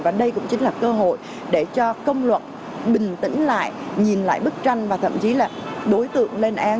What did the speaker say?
và đây cũng chính là cơ hội để cho công luận bình tĩnh lại nhìn lại bức tranh và thậm chí là đối tượng lên án